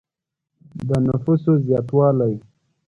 د نفوسو زیاتوالی.